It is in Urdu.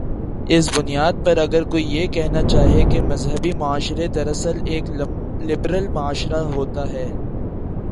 اس بنیاد پر اگر کوئی یہ کہنا چاہے کہ مذہبی معاشرہ دراصل ایک لبرل معاشرہ ہوتا ہے۔